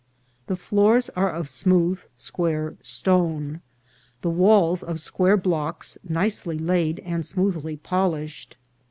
The floors are of smooth square stone, the walls of square blocks nicely laid and smooth ly polished.